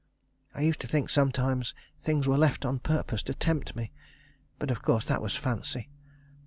I used to think sometimes things were left on purpose to tempt me, but of course that was fancy.